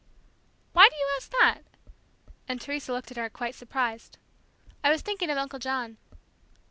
"Why do you ask that?" and Teresa looked at her quite surprised. "I was thinking of Uncle John."